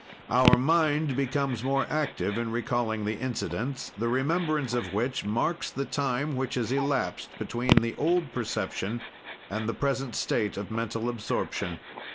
"Our mind becomes more active in recalling the incidents, the remembrance of which marks the time which has elapsed between the old perception and the present state of mental absorption.